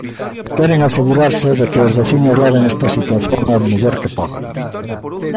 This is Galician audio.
Queren asegurarse de que os veciños leven esta situación o mellor que podan.